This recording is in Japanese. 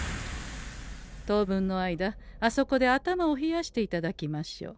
当分の間あそこで頭を冷やしていただきましょう。